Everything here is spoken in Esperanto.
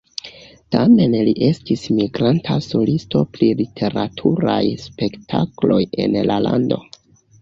Tamen li estis migranta solisto pri literaturaj spektakloj en la lando.